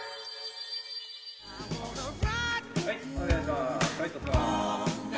はいお願いします。